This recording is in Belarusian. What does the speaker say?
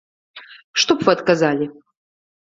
Што б вы адказалі?